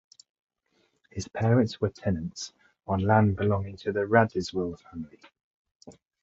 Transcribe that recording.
His parents were tenants on land belonging to the Radziwill family.